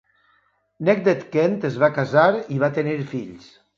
Necdet Kent es va casar i va tenir fills.